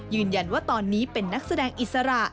ยืนยันว่าตอนนี้เป็นนักแสดงอิสระ